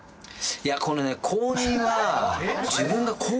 いやこれね。